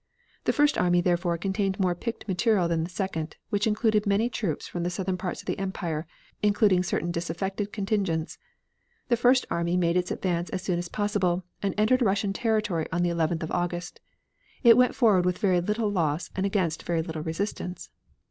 The first army, therefore, contained more picked material than the second, which included many troops from the southern parts of the empire, including certain disaffected contingents. The first army made its advance as soon as possible, and entered Russian territory on the 11th of August. It went forward with very little loss and against very little resistance.